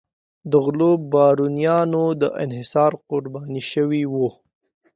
د غلو بارونیانو د انحصار قرباني شوي وو.